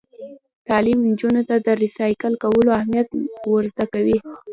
تعلیم نجونو ته د ریسایکل کولو اهمیت ور زده کوي.